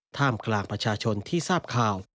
ท่ามกลางประชาชนที่ทราบข่าว